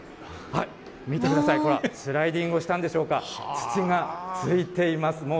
見てください、ほら、スライディングをしたんでしょうか、土がついています。